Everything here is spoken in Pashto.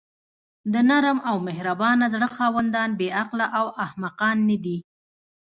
د نرم او مهربانه زړه خاوندان بې عقله او احمقان ندي.